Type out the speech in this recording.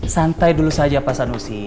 santai dulu saja pak sanusi